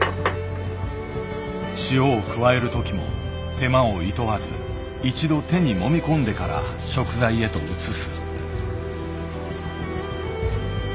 塩を加える時も手間をいとわず一度手にもみこんでから食材へと移す。